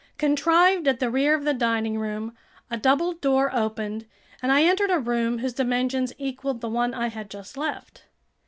Contrived at the rear of the dining room, a double door opened, and I entered a room whose dimensions equaled the one I had just left.